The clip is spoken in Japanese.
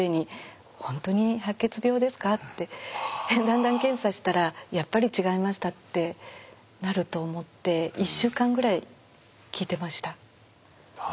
だんだん検査したらやっぱり違いましたってなると思って１週間ぐらい聞いてました。